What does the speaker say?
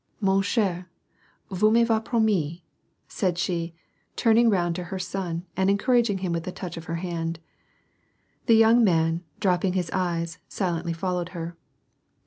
" Mon eher, vous m' avez promts," said, she, turning round to her son and encouraging him with a touch of her hand. The young man, dropping his eyes, silently followed her.